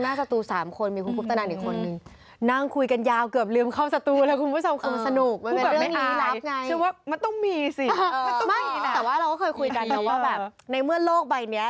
ไม่ต้องมีนะอ๋อแต่ว่าเราก็เคยคุยกันแล้วว่าแบบในเมื่อโลกใบนี้